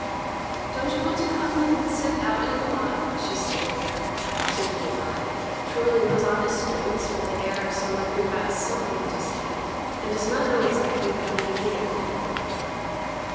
'Don't you want to come and sit out in the lot?' she said to her, after sitting awhile, twirling her bonnet strings with the air of one who has something to say and does not know exactly how to begin upon it.